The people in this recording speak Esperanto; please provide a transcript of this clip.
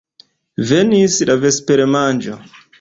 Venis la vespermanĝo.